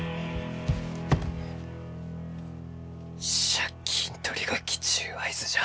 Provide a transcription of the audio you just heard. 借金取りが来ちゅう合図じゃ。